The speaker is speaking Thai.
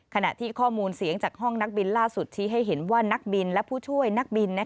ขณะที่ข้อมูลเสียงจากห้องนักบินล่าสุดชี้ให้เห็นว่านักบินและผู้ช่วยนักบิน